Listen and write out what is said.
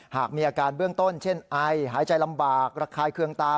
หากมีอาการเบื้องต้นเช่นไอหายใจลำบากระคายเคืองตา